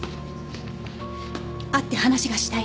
会って話がしたい。